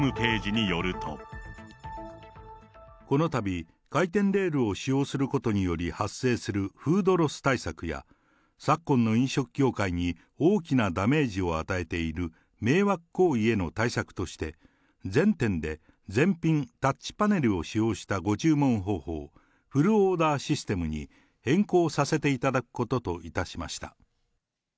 このたび、回転レールを使用することにより発生するフードロス対策や、昨今の飲食業界に大きなダメージを与えている迷惑行為への対策として、全店で全品タッチパネルを使用したご注文方法、フルオーダーシステムに変更させていただくことといたしました。